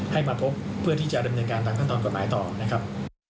ให้มาพบเพื่อที่จะดำเนินการตามขั้นตอนกฎหมายต่อนะครับ